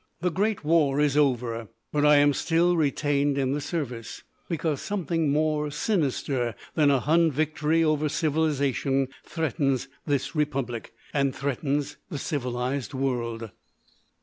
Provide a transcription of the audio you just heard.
"The great war is over; but I am still retained in the service. Because something more sinister than a hun victory over civilisation threatens this Republic. And threatens the civilised world."